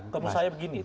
kamu saya begini